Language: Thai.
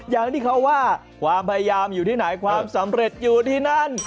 อย่างที่เขาว่าความพยายามอยู่ที่ไหนความสำเร็จอยู่ที่นั่น